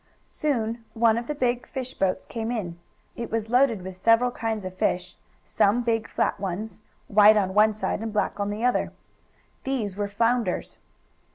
Soon one of the big fish boats came in. It was loaded with several kinds of fish, some big flat ones, white on one side, and black on the other. These were flounders.